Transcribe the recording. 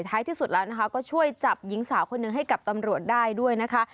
ที่สุดแล้วนะคะก็ช่วยจับหญิงสาวคนหนึ่งให้กับตำรวจได้ด้วยนะคะ